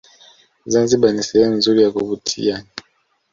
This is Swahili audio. zanzibar ni sehemu nzuri ya kuvutia